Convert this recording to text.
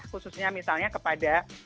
khususnya misalnya kepada